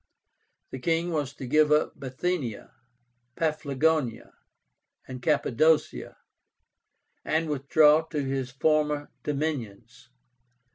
The king was to give up Bithynia, Paphlagonia, and Cappadocia, and withdraw to his former dominions.